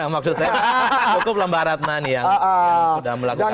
maksud saya cukup lah mbak ratna nih yang sudah melakukan